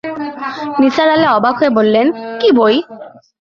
নিসার আলি অবাক হয়ে বললেন, কী বই?